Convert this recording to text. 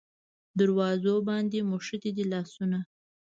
دروازو باندې موښتي دی لاسونه